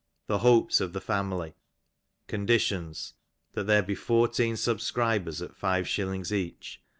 The hopes ^^ of the family. Conditions : That there be fourteen subscribers ^'at five shillings each.